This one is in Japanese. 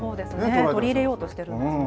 取り入れようとしているんですよね。